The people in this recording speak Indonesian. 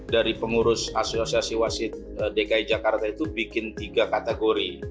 dari pengurus asosiasi wasit dki jakarta itu bikin tiga kategori